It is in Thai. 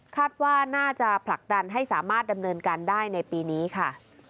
คาดว่าน่าจะผลักดันให้สามารถดำเนินการได้ในปีนี้ค่ะ